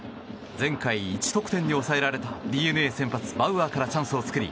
前回１得点に抑えられたＤｅＮＡ先発、バウアーからチャンスを作り